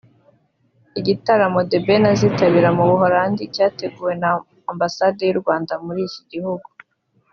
Igitaramo The Ben azitabira mu Buholandi cyateguwe na Ambasade y’u Rwanda muri iki gihugu